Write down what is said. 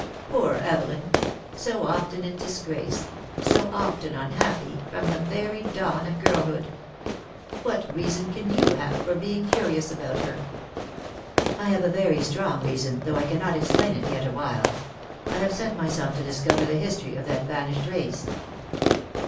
Poor Evelyn — so often in disgrace — so. often unhappy, from the very dawn of girlhood. What reason can you have for being curious about her?" "I have a very strong reason, though I cannot explain it yet awhile. I have set myself to discover the history of that banished race."